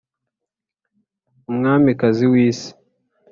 umwamikazi w'isi.